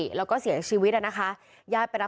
ก็แสดงความเสียใจด้วยจริงกับครอบครัวนะคะ